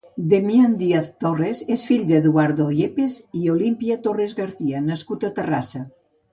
Demian Díaz Torres és un fill d'Eduardo Yepes i Olimpia Torres Garcia nascut a Terrassa.